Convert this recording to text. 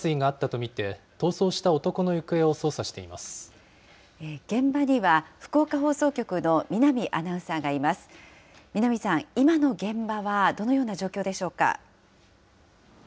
見浪さん、今の現場はどのような状況でしょうか。